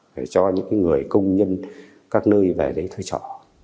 để cho những người công nhân các nơi về đấy thuê trọ